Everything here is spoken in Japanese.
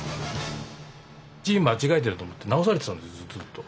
字間違えてると思って直されてたんですずっと。